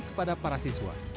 kepada para siswa